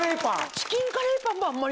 チキンカレーパンもあんまり。